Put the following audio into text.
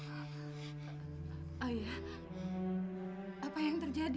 ayah apa yang terjadi